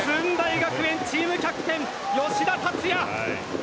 学園チームキャプテン吉田竜也！